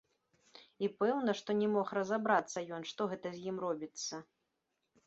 І пэўна, што не мог разабрацца ён, што гэта з ім робіцца.